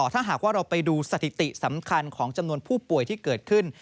ถ้าหากว่าเราไปดูสถิติสำคัญของจำนวนผู้ป่วยที่เกิดขึ้น